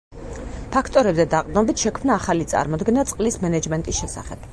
ფაქტორებზე დაყრდნობით შექმნა ახალი წარმოდგენა „წყლის მენეჯმენტის“ შესახებ.